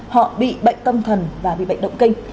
họ bị bệnh tâm thần và bị bệnh động kinh